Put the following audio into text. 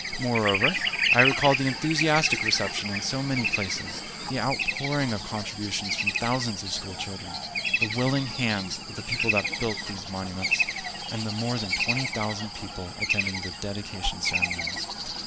Moreover, I recalled the enthusiastic reception in so many places, the outpouring of contributions from thousands of school children, the willing hands of the people that built these monuments, and the more than twenty thousand people attending the dedication ceremonies.